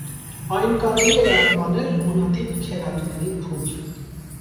Այն կարելի է անվանել հունատիպ քերակների փուլ։